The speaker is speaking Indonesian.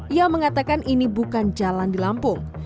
ia mengatakan ini bukan jalan di lampung